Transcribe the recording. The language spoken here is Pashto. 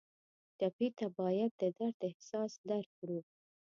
ټپي ته باید د درد احساس درکړو.